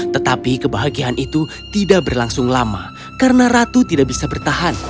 tetapi kebahagiaan itu tidak berlangsung lama karena ratu tidak bisa bertahan